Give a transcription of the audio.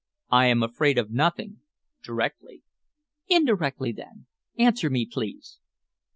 "I am afraid of nothing directly." "Indirectly, then? Answer me, please."